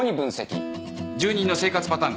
住人の生活パターン。